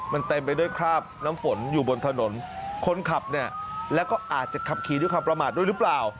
มันเต็มไปด้วยคราบน้ำฝนอยู่บนถนนคนขับเนี่ยแล้วก็อาจจะขับขี่ด้วยความประมาทด้วยหรือเปล่า